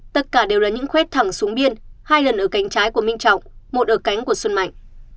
tất cả đều là những khuét thẳng xuống biên hai lần ở cánh trái của minh trọng một ở cánh của xuân mạnh